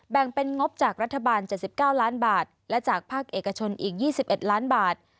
แบ่งเป็นงบจากรัฐบาล๗๙ล้านบาทและจากภาคเอกชนอีก๒๑ล้านบาท